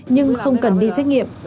nhưng không cần đi xét nghiệm